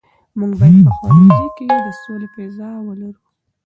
موږ باید په ښوونځي کې د سولې فضا ولرو.